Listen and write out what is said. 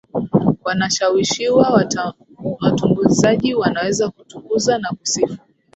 wanashawishiwaWatumbuizaji wanaweza kutukuza na kusifu